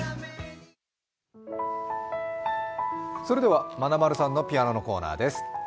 それではまなまるさんのピアノのコーナーです。